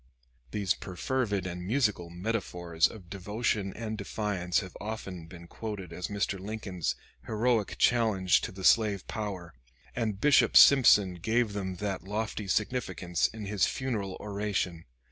These perfervid and musical metaphors of devotion and defiance have often been quoted as Mr. Lincoln's heroic challenge to the slave power, and Bishop Simpson gave them that lofty significance in his funeral oration.